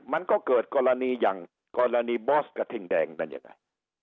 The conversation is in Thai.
มันก็เกิดกรณีอย่างกรณีบอสกระทิงแดงนั่นยังไง